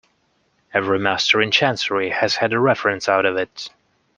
Every master in Chancery has had a reference out of it.